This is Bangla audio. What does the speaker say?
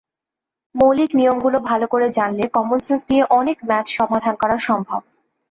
মৌলিক নিয়মগুলো ভালো করে জানলে কমনসেন্স দিয়ে অনেক ম্যাথ সমাধান করা সম্ভব।